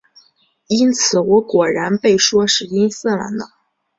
因此我果然被说是音色了呢。